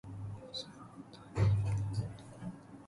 کلاس فارغ التحصیلی